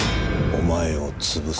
お前を潰す。